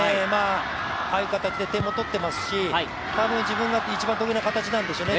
ああいう形で点も取っていますし、ああいう形が一番得意な形なんでしょうね。